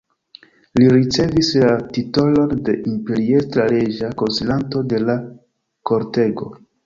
Li ricevis la titolon de imperiestra-reĝa konsilanto de la kortego.